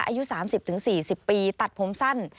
อายุ๓๐๔๐ปีตัดผมสั้น